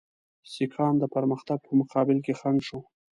سیکهان د پرمختګ په مقابل کې خنډ شو.